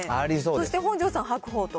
そして本上さん、白鵬と？